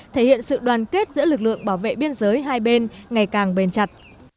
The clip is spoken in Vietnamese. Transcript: thể hiện sự đoàn kết giữa lực lượng bảo vệ biên giới hai bên ngày càng bền chặt